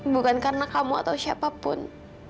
bukan karena kamu atau siapapun